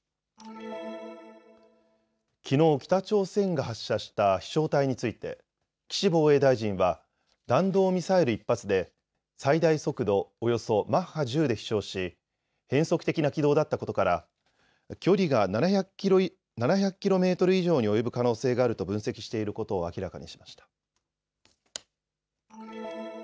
きのう、北朝鮮が発射した飛しょう体について岸防衛大臣は弾道ミサイル１発で最大速度およそマッハ１０で飛しょうし変則的な軌道だったことから距離が７００キロメートルに及ぶ可能性があると分析していることを明らかにしました。